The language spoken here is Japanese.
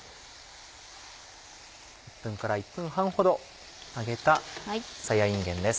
１分から１分半ほど揚げたさやいんげんです。